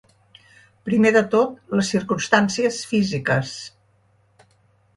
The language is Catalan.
Primer de tot les circumstàncies físiques.